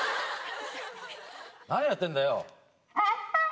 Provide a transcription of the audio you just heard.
何やってんだよ？